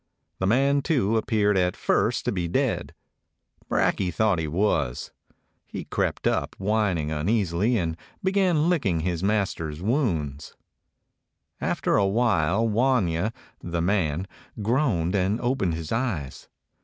The man, too, appeared at first to be dead. Brakje thought he was. He crept up, whining uneasily, and began licking his mas ter's wounds. After a while Wanya, the man, groaned and opened his eyes.